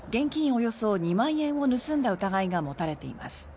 およそ２万円を盗んだ疑いが持たれています。